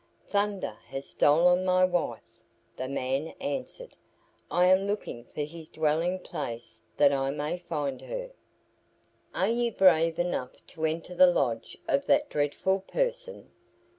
"Thunder has stolen my wife," the man answered. "I am looking for his dwelling place that I may find her." "Are you brave enough to enter the lodge of that dreadful person?"